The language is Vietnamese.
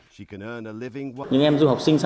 những em du học sinh sang bên nhật bản đi du học thì một tuần